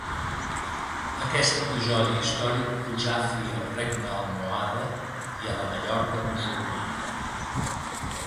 Aquest episodi històric posà fi al regne almohade i a la Mallorca musulmana.